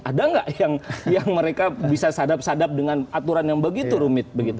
ada nggak yang mereka bisa sadap sadap dengan aturan yang begitu rumit